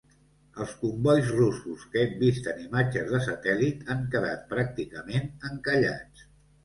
Els combois russos que hem vist en imatges de satèl·lit han quedat pràcticament encallats.